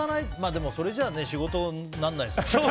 でも、それじゃ仕事にならないか。